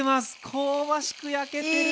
香ばしく焼けてる。